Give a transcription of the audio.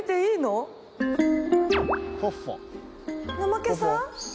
ナマケさん？